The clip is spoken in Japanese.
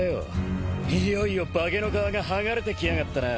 いよいよ化けの皮が剥がれてきやがったな。